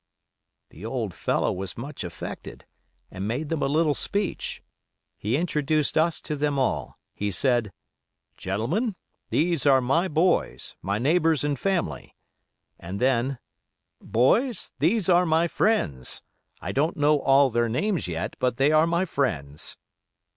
"The old fellow was much affected, and made them a little speech. He introduced us to them all. He said: 'Gentlemen, these are my boys, my neighbors and family;' and then, 'Boys, these are my friends; I don't know all their names yet, but they are my friends.